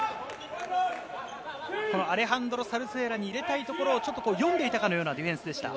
アレハンドロ・サルスエラに入れたいところを読んでいたかのようなディフェンスでした。